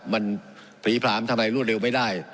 มันผีผลามทำอะไรรวดเร็วไม่ได้